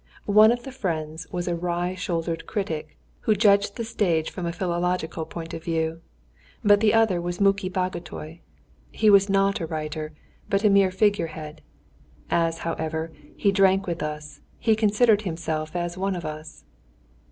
One of the friends was a wry shouldered critic, who judged the stage from a philological point of view, but the other was Muki Bagotay. He was not a writer, but a mere figure head. As, however, he drank with us, he considered himself as one of us.